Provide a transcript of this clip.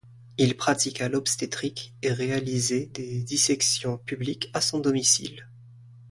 Il pratiqua l'obstétrique, et réalisait des dissections publiques à son domicile.